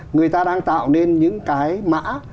người ta đang tạo nên những cái mã